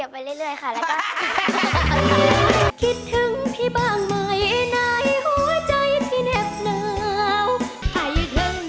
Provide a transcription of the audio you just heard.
โปรดติดตามตอนต่อไป